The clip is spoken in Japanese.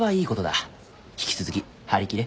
引き続き張り切れ。